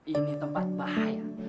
ini tempat bahaya